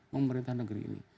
pemerintah negeri ini